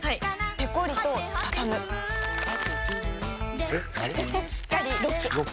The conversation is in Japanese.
ペコリ！とたたむしっかりロック！